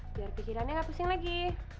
biar pikirannya gak pusing lagi